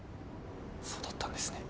そうだったんですね。